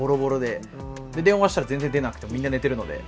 電話したら全然出なくてみんな寝てるので。